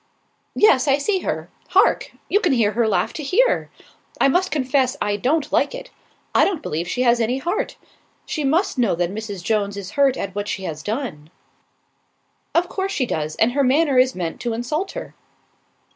"Yes, I see her. Hark! You can hear her laugh to here. I must confess I don't like it. I don't believe she has any heart. She must know that Mrs. Jones is hurt at what she has done." "Of course she does, and her manner is meant to insult her."